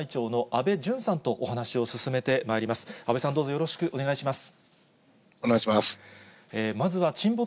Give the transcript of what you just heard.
安倍さん、どうぞよろしくお願いします。